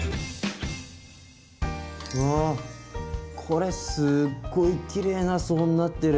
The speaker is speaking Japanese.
うわこれすっごいきれいな層になってる。